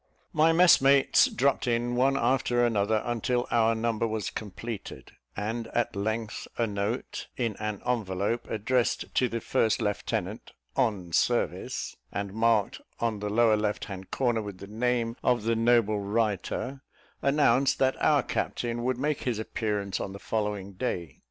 My messmates dropped in one after another until our number was completed; and at length a note, in an envelope addressed to the first lieutenant "on service," and marked on the lower left hand corner with the name of the noble writer, announced that our captain would make his appearance on the following day.